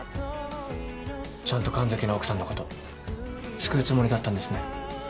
ちゃんと神崎の奥さんのこと救うつもりだったんですね。